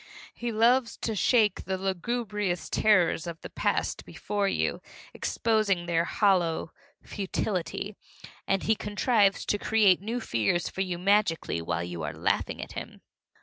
He loves to shake the lugubrious terrors of the past before you, exposing their hollow futility, and he contrives to create new fears for you magically while you are laughing at him.